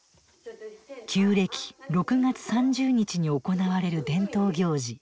旧暦６月３０日に行われる伝統行事